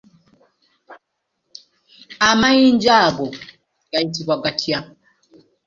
Amayinja ago gayitibwa gatya?